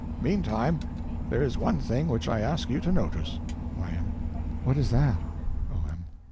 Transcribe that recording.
Meantime there is one thing which I ask you to notice. Y.M. What is that? O.M.